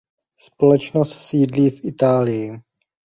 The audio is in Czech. Společnost sídlí v Itálii.